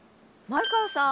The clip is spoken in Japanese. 前川さん。